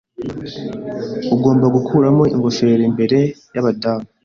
Ugomba gukuramo ingofero imbere y'abadamu.